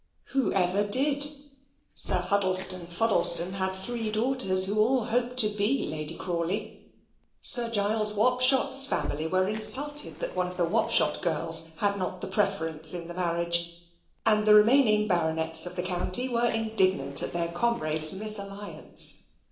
Who ever did? Sir Huddleston Fuddleston had three daughters who all hoped to be Lady Crawley. Sir Giles Wapshot's family were insulted that one of the Wapshot girls had not the preference in the marriage, and the remaining baronets of the county were indignant at their comrade's misalliance.